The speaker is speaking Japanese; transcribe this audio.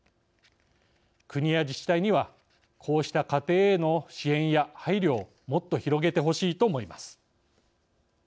国や自治体にはこうした家庭への支援や配慮をもっと広げてほしいと思います。